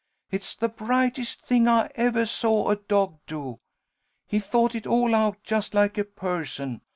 It's the brightest thing I evah saw a dog do. He thought it all out, just like a person.